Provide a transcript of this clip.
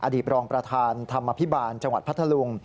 อดีตรองประธานธรรมภิบาลจังหวัดพัทธลุง